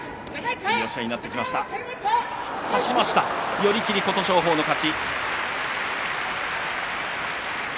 寄り切り琴勝峰の勝ち。